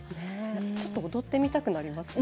ちょっと踊ってみたくなりますよね。